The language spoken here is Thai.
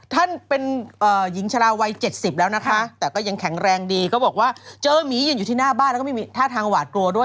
ท่านเป็นหญิงชะลาวัย๗๐แล้วนะคะแต่ก็ยังแข็งแรงดีก็บอกว่าเจอหมียืนอยู่ที่หน้าบ้านแล้วก็ไม่มีท่าทางหวาดกลัวด้วย